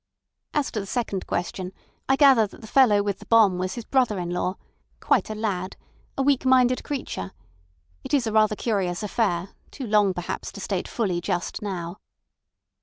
As to the second question, I gather that the fellow with the bomb was his brother in law—quite a lad—a weak minded creature. ... It is rather a curious affair—too long perhaps to state fully just now."